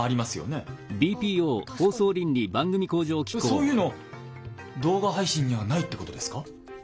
そういうの動画配信にはないってことですか？